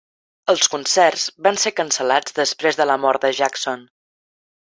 Els concerts van ser cancel·lats després de la mort de Jackson.